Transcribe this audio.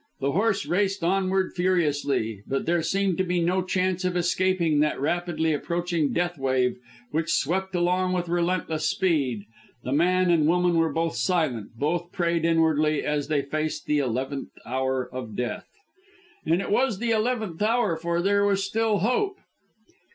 The horse raced onward furiously, but there seemed to be no chance of escaping that rapidly approaching death wave, which swept along with relentless speed. The man and woman were both silent, and both prayed inwardly, as they faced the eleventh hour of death. And it was the eleventh hour, for there was still hope.